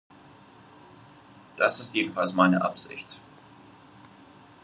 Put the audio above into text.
Das ist jedenfalls meine Absicht.